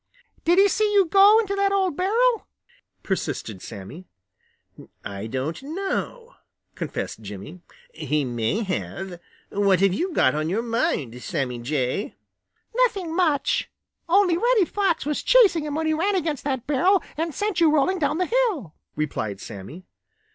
"Did he see you go into that old barrel?" persisted Sammy. "I don't know," confessed Jimmy. "He may have. What have you got on your mind, Sammy Jay?" "Nothing much, only Reddy Fox was chasing him when he ran against that barrel and sent you rolling down the hill," replied Sammy.